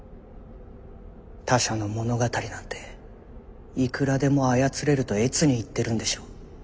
他者の物語なんていくらでも操れると悦に入ってるんでしょう。